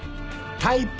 タイプ。